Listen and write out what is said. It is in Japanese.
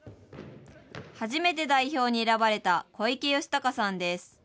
初めて代表に選ばれた小池吉崇さんです。